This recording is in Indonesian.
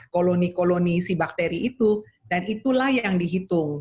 koloni koloni si bakteri itu dan itulah yang dihitung